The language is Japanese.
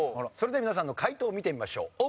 それでは皆さんの解答を見てみましょう。